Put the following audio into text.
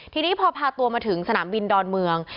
ทีนี้พอพาตัวมาถึงสนามบินดอนเมือง